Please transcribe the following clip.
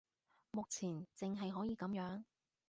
目前淨係可以噉樣